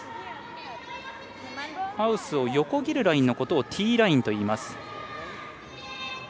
ハウスを横切るラインのことをティーラインと言います。